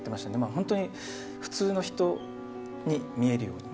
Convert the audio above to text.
本当に普通の人に見えるように。